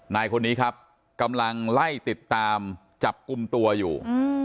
นายคนนี้ครับกำลังไล่ติดตามจับกลุ่มตัวอยู่